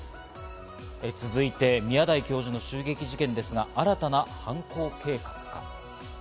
続いて宮台教授の襲撃事件ですが、新たな犯行計画か？